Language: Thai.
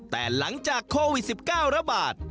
แต่หลังจากโควิด๑๙ระบาด